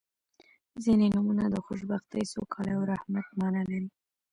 • ځینې نومونه د خوشبختۍ، سوکالۍ او رحمت معنا لري.